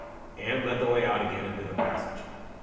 Anne led the way out again into the passage.